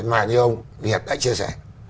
mà như ông việt đã chia sẻ